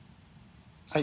はい。